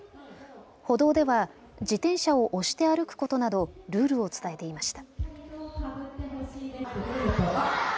歩道では自転車を押して歩くことなどルールを伝えていました。